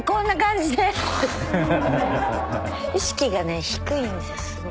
意識がね低いんですよ